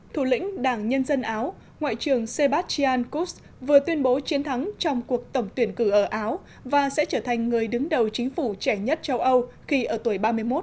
thủ lĩnh đảng nhân dân áo ngoại trưởng sebastian kuz vừa tuyên bố chiến thắng trong cuộc tổng tuyển cử ở áo và sẽ trở thành người đứng đầu chính phủ trẻ nhất châu âu khi ở tuổi ba mươi một